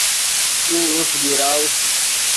تو اوݰ بیراؤ